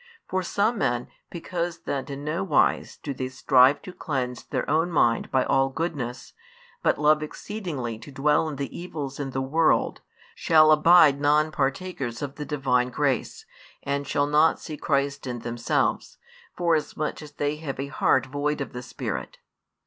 For some men, because that in no wise do they strive to cleanse their own mind by all goodness, but love exceedingly to dwell in the evils in the world, shall abide non partakers of the Divine grace, and shall not see Christ in themselves, forasmuch as they have a heart void of the Spirit.